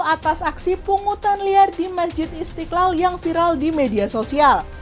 atas aksi pungutan liar di masjid istiqlal yang viral di media sosial